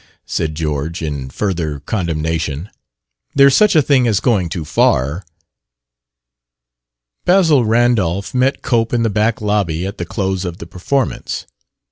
said George, in further condemnation. "There's such a thing as going too far." Basil Randolph met Cope in the back lobby at the close of the performance.